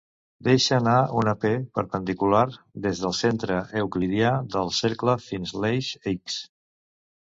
Deixa anar una "p" perpendicular des del centre euclidià del cercle fins a l'eix "x".